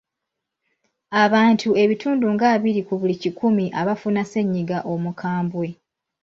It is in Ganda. Abantu ebitundu nga abiri ku buli kikumi abafuna ssennyiga omukambwe.